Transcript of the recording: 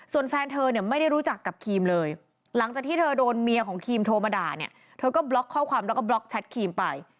ส่วนแฟนเธอเนี่ยไม่ได้รู้จักกับครีมเลยหลังจากที่เธอโดนเมียของครีมโทรมาด่าเนี่ยเธอก็บล็อกข้อความแล้วก็บล็อกแชทครีมไป